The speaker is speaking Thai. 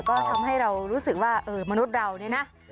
ก็ทำให้เรารู้สึกว่ามนุษย์เราเนี่ยนะ